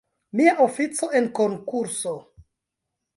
Mia ofico en konkurso!